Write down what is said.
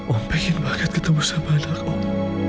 om pengen banget ketemu sama anak om